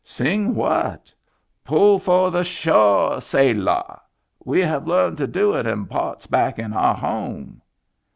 " Sing what ?""' Pull foah the shoah, sailah.' We have learned to do it in parts back in our home."